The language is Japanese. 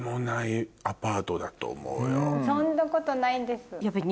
そんなことないです。